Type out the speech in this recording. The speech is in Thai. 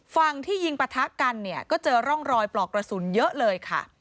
ฝั่งที่ยิงปะทะกันเนี่ยก็เจอร่องรอยปลอกกระสุนเยอะเลยค่ะ